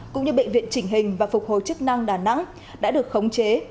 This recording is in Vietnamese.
cũng như bệnh viện chỉnh hình và phục hồi chức năng đà nẵng đã được khống chế